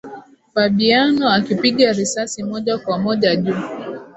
Fabiano akipiga risasi moja kwa moja juu